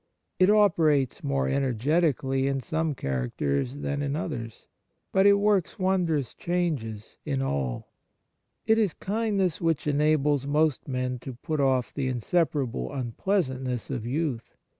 It operates more energetically in some characters than in others ; but it On Kindness in General 41 works wondrous changes in all. It is kind ness which enables most men to put off the inseparable unpleasantness of youth.